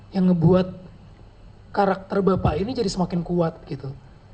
yang ngebuat karakter bapak ini jadi semakin kuat gitu